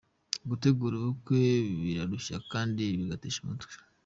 Gutegura ubukwe birarushya kandi bigatesha umutwe.